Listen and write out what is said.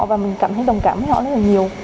và mình cảm thấy đồng cảm với họ rất là nhiều